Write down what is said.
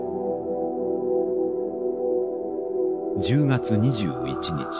１０月２１日。